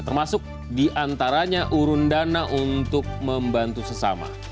termasuk diantaranya urundana untuk membantu sesama